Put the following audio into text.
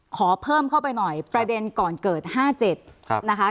ขอเพิ่มเข้าไปหน่อยประเด็นก่อนเกิด๕๗นะคะ